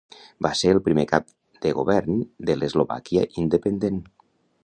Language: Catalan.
Va ser el primer cap de govern de l'Eslovàquia independent.